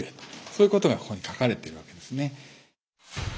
そういうことがここに書かれてるわけですね。